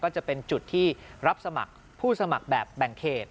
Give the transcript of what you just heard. ก็จะเป็นจุดที่รับสมัครผู้สมัครแบบแบ่งเขต